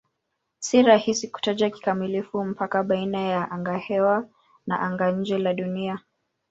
Si rahisi kutaja kikamilifu mpaka baina ya angahewa na anga-nje la Dunia.